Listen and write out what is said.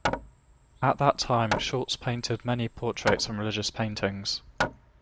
At that time Schultz painted many portraits and religious paintings.